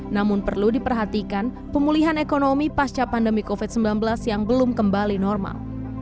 namun perlu diperhatikan pemulihan ekonomi pasca pandemi covid sembilan belas yang belum kembali normal